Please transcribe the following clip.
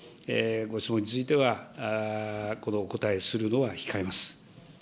ご質問については、お答えするのは控えます。